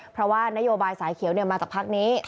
เพราะว่านโยบายสายเขียวมาจากพักนี้